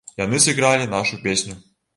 Яны сыгралі нашу песню!